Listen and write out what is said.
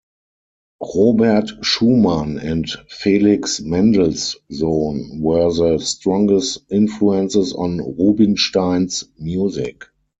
Robert Schumann and Felix Mendelssohn were the strongest influences on Rubinstein's music.